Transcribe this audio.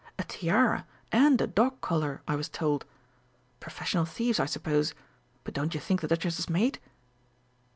A tiara, and a dog collar, I was told. Professional thieves, I suppose, but don't you think the Duchess's maid?